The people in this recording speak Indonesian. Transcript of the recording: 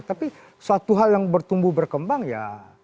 tapi suatu hal yang bertumbuh berkembang ya